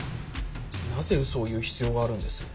なぜ嘘を言う必要があるんです？